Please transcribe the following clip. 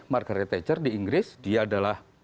margaret thatcher di inggris dia adalah